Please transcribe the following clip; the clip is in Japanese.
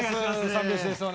三拍子です。